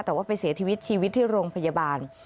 แต่ว่าไปเสียชีวิตชีวิตที่โรงพยาบาล